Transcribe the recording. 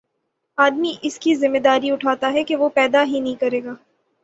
آدمی اس کی ذمہ داری اٹھاتا ہے کہ وہ پیدا ہی نہیں کرے گا